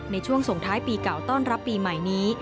ในช่วงส่งท้ายปีเก่าต้อนรับปีใหม่นี้